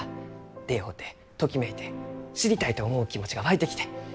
出会うてときめいて知りたいと思う気持ちが湧いてきて。